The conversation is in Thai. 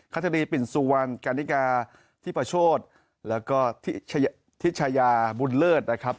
และท่ารีปินซวัณคาติกาทิพัชโชทและชายาบุญเลิศนะครับ